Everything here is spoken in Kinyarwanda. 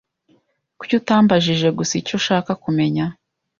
Kuki utambajije gusa icyo ushaka kumenya?